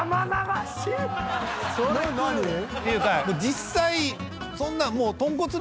実際そんなもう。